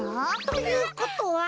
ということは。